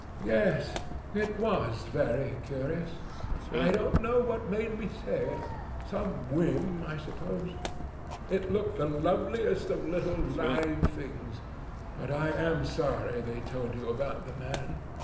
"Yes, it was very curious. I don't know what made me say it. Some whim, I suppose. It looked the loveliest of little live things. But I am sorry they told you about the man.